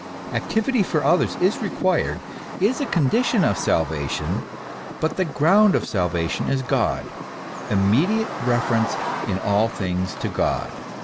Activity for others is required, is a condition of salvation ; but the ground of salvation is God, immediate reference in all things to God.